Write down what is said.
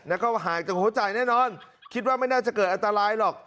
แล้วก็ห่างจากหัวใจแน่นอนคิดว่าไม่น่าจะเกิดอันตรายหรอก